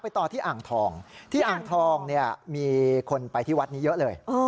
ต่อที่อ่างทองที่อ่างทองเนี่ยมีคนไปที่วัดนี้เยอะเลย